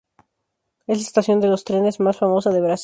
Es la estación de los trenes más famosa de Brasil.